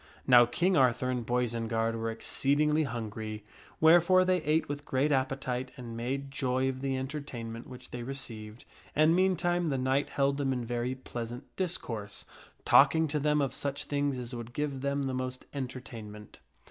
I.NOW King Arthur and Boisenard were exceedingly hungry, wherefore they ate with great appetite and made joy of the entertainment which they received, and meantime the knight held them in very pleasant dis course, talking to them of such things as would give them the most enter tainment.